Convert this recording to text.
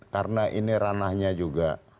karena ini ranahnya juga